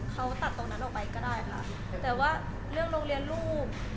เขาตัดตรงนั้นออกไปก็ได้ค่ะแต่ว่าเรื่องโรงเรียนลูก